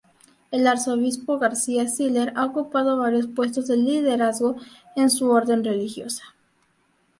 El Arzobispo García-Siller ha ocupado varios puestos de liderazgo en su orden religiosa.